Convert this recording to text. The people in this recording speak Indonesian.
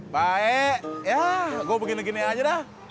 baik ya gue begini gini aja dah